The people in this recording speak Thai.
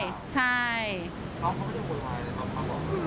น้องก็ไม่ได้โบร์ยวายอะไรตอนเขาบอก